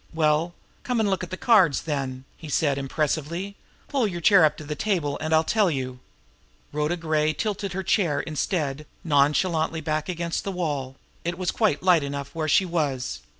"Well, come and look at the cards, then," he said impressively. "Pull your chair up to the table, and I'll tell you." Rhoda Gray tilted her chair, instead, nonchalantly back against the wall it was quite light enough where she was!